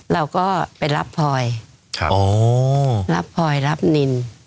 เราก็ไปรับพลอยรับพลอยรับนิน